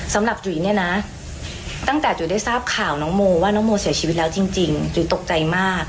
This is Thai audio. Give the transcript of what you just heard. จุ๋ยเนี่ยนะตั้งแต่จุ๋ยได้ทราบข่าวน้องโมว่าน้องโมเสียชีวิตแล้วจริงจุ๋ยตกใจมาก